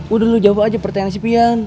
udah lu jawab aja pertanyaan sepian